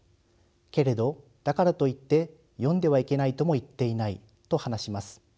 けれどだからといって読んではいけないとも言っていない」と話します。